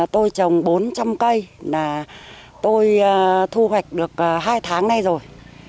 tôi trồng bốn trăm linh cây là tôi thu hoạch được hai tháng nay rồi